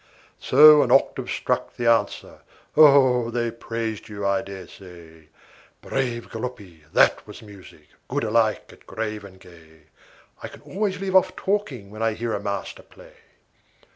So, an octave struck the answer. Oh, they praised you, I dare say! "Brave Galuppi! that was music! good alike at grave and gay! I can always leave off talking when I hear a master play!"